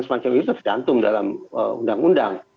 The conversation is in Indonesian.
semacam itu tergantung dalam undang undang